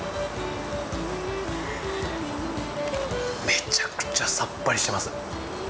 めちゃくちゃさっぱりしてます。